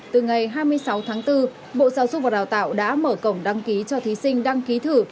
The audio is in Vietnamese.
từ ngày hai mươi sáu tháng bốn bộ giáo dục và đào tạo đã mở cổng đăng ký cho thí sinh đăng ký thử